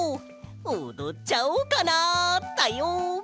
おどっちゃおうかなだよ！